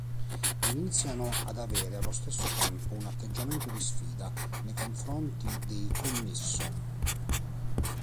Iniziano ad avere allo stesso tempo un atteggiamento di sfida nei confronti dei Commisso.